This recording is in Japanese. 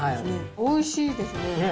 おいしいですね。